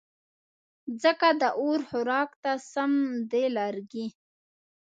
ځکه د اور خوراک ته سم دي لرګې